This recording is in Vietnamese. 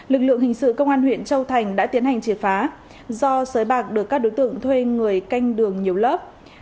lực lượng hình sự công an huyện châu thành đã tiến hành triệt phá do sới bạc được các đối tượng thuê người canh đường nhiều lớp